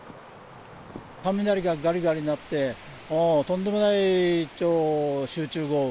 雷ががりがり鳴って、とんでもない超集中豪雨。